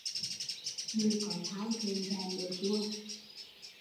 Người có thai thường thèm đồ chua